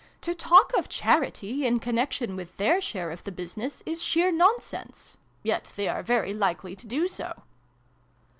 To talk of ' charity ' in connection with their share of the business, is sheer nonsense. Yet they are very likely to do so.